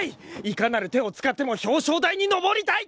いかなる手を使っても表彰台に登りたい！